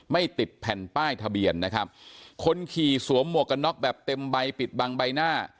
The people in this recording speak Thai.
ไม่ติดแผ่นป้ายทะเบียนนะครับคนขี่สวมหมวกกันน็อกแบบเต็มใบปิดบังใบหน้า